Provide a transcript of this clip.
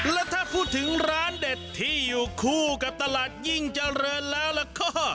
แล้วถ้าพูดถึงร้านเด็ดที่อยู่คู่กับตลาดยิ่งเจริญแล้วก็